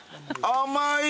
甘い！